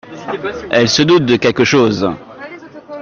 Elle se doute de quelque chose !